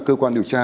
cơ quan điều tra